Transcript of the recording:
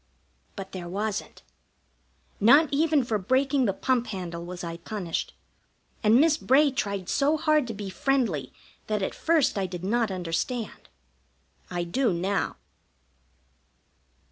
But there wasn't. Not even for breaking the pump handle was I punished, and Miss Bray tried so hard to be friendly that at first I did not understand. I do now.